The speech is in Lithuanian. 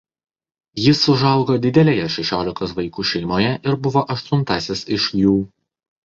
Jis užaugo didelėje šešiolikos vaikų šeimoje ir buvo aštuntasis iš jų.